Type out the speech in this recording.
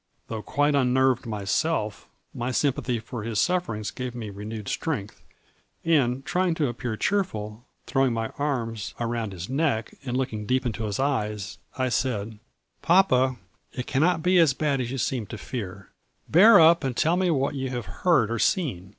Though quite unnerved myself, my sympathy for his sufferings gave me renewed strength, and, try ing to appear cheerful, throwing my arms around his neck and looking deep into his eyes, I said: '' Papa it cannot be as bad as you seem to fear ; bear up and tell me what you have heard or seen.